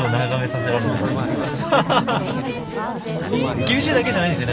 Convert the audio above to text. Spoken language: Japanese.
厳しいだけじゃないんですよね